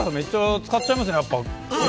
使っちゃいますね。